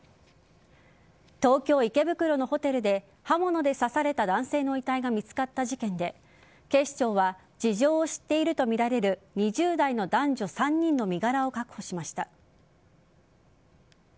東京・池袋のホテルで刃物で刺された男性の遺体が見つかった事件で警視庁は事情を知っているとみられる２０代の男女３人の身柄を確保しました。